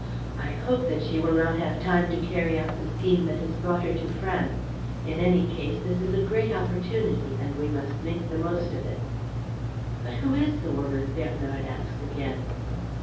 I hope that she will not have time to carry out the scheme that has brought her to France. In any case, this is a great opportunity; and we must make the most of it." "But who is the woman?" Bernard asked again.